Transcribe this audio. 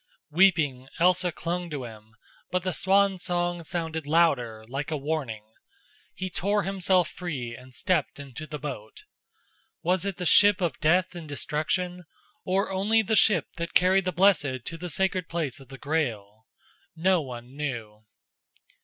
Weeping, Elsa clung to him; but the swan song sounded louder, like a warning. He tore himself free and stepped into the boat. Was it the ship of death and destruction, or only the ship that carried the blessed to the sacred place of the Grail? No one knew.